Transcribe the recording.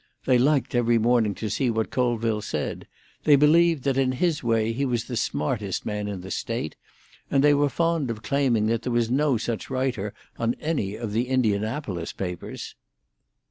They liked every morning to see what Colville said; they believed that in his way he was the smartest man in the State, and they were fond of claiming that there was no such writer on any of the Indianapolis papers.